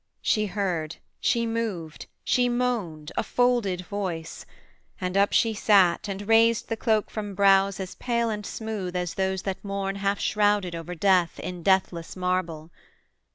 She heard, she moved, She moaned, a folded voice; and up she sat, And raised the cloak from brows as pale and smooth As those that mourn half shrouded over death In deathless marble.